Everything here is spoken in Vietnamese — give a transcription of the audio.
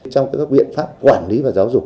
trong các biện pháp quản lý và giáo dục